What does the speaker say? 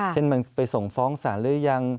เช่นมันไปส่งฟ้องศาลหรือยัง